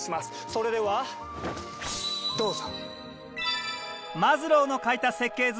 それではどうぞ。